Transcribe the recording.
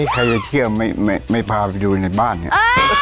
ใครจะเที่ยวไม่พาไปดูในบ้านเนี่ย